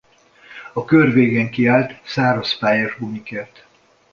A kör végén kiállt száraz-pályás gumikért.